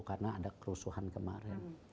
karena ada kerusuhan kemarin